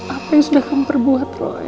apa yang sudah kamu perbuat